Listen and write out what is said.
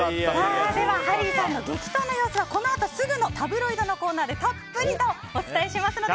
ハリーさんの激闘の様子はこのあとすぐのタブロイドのコーナーでたっぷりとお伝えしますので。